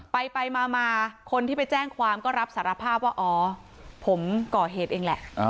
ไปมาคนที่ไปแจ้งความก็รับสารภาพว่าอ๋อผมก่อเหตุเองแหละ